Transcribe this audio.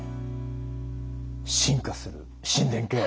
進化する心電計。